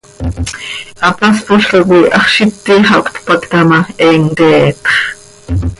Hapáspolca coi hax z iti xah cötpacta ma, he mqueetx.